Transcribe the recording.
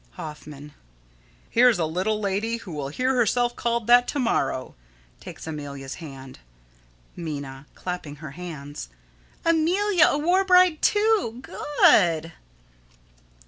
Hoffman: Here's a little lady who will hear herself called that to morrow. [Takes Amelia's hand.] Minna: [Clapping her hands.] Amelia a war bride, too! Good!